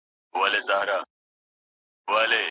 معتبره څېړنه تجربي مطالعې ته اړتیا لري.